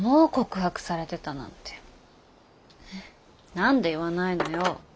何で言わないのよ。